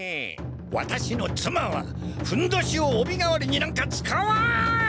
ワタシの妻はふんどしをおび代わりになんか使わん！